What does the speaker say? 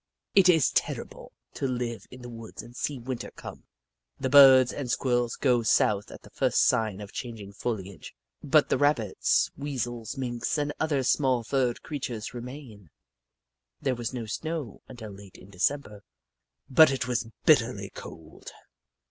It is terrible to live in the woods and see Winter come. The Birds and Squirrels go south at the first sign of changing foliage, but the Rabbits, Weasels, Minks, and other small furred creatures remain, There was no snow until late in December, but it was bitterly cold.